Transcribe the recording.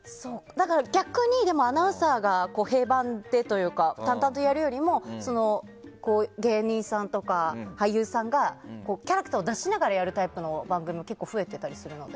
逆に、アナウンサーが平板というか、淡々とやるよりも芸人さんとか俳優さんがキャラクターを出しながらやる番組も結構増えていたりするので。